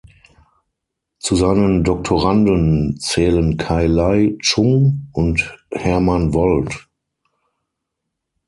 Zu seinen Doktoranden zählen Kai Lai Chung und Herman Wold.